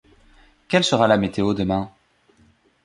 Quelle sera la météo demain ?